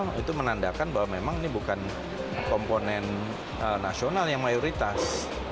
bima pembawa smk menandakan bahwa ini bukan komponen nasional yang mayoritas